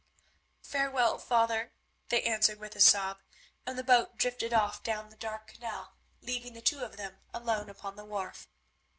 "Farewell, father," they answered with a sob, and the boat drifted off down the dark canal, leaving the two of them alone upon the wharf.